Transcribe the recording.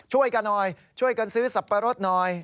ช่วยกันหน่อยช่วยกันซื้อสับปะรดหน่อย